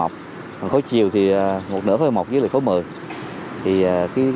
còn khối chiều thì một nửa khối một mươi một với khối một mươi